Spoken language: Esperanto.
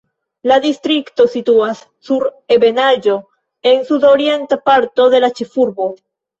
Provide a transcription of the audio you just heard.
La distrikto situas sur ebenaĵo en sud-orienta parto de la ĉefurbo.